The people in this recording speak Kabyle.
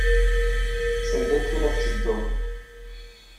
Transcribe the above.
Sanda akka ay la tettedduḍ?